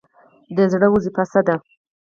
د زړه دنده څه ده؟